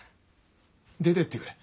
出てってくれ。